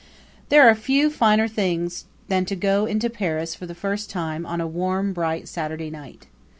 There are few finer things than to go into Paris for the first time on a warm, bright Saturday night.